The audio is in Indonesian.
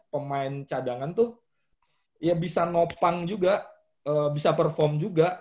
pemain cadangan tuh ya bisa nopang juga bisa perform juga